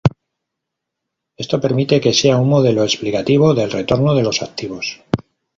Esto permite que sea un modelo explicativo del retorno de los activos.